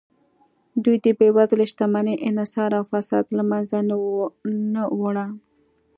دوی د بېوزلۍ، شتمنۍ انحصار او فساد له منځه نه وړه